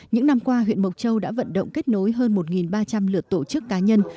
những năm qua huyện mộc châu đã vận động kết nối hơn một ba trăm linh lượt tổ chức cá nhân